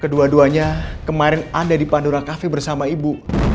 kedua duanya kemarin ada di pandora cafe bersama ibu